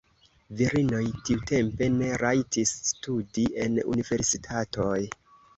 Virinoj tiutempe ne rajtis studi en universitatoj.